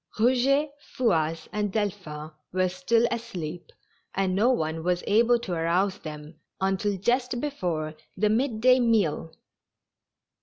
Eouget, Fouasse and Delphin were still asleep, and no one was able to arouse them until just before the mid day meal.